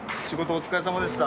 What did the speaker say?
お疲れさまでした。